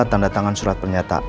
agar nreses tak ada